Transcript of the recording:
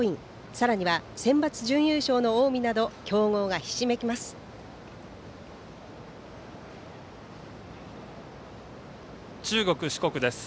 さらにはセンバツ準優勝の近江など強豪がひしめきます。